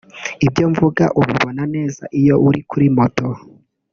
Ibyo mvuga ubibona neza iyo uri kuri moto